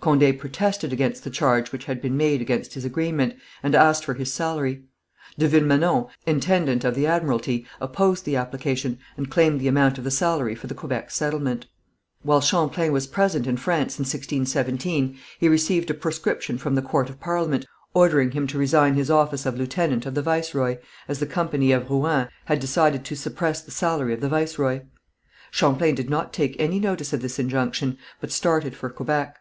Condé protested against the charge which had been made against his agreement, and asked for his salary. De Villemenon, intendant of the admiralty, opposed the application, and claimed the amount of the salary for the Quebec settlement. While Champlain was present in France in 1617 he received a proscription from the court of parliament, ordering him to resign his office of lieutenant of the viceroy, as the Company of Rouen had decided to suppress the salary of the viceroy. Champlain did not take any notice of this injunction, but started for Quebec.